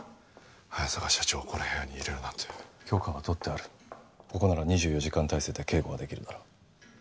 早坂社長をこの部屋に入れるなんて許可は取ってあるここなら２４時間体制で警護ができるだろ